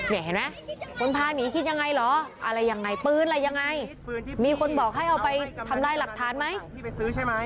นี่เห็นไหมคนพาหนีคิดยังไงหรออะไรยังไงปืนอะไรยังไงมีคนบอกให้เอาไปทำได้หลักฐานไหม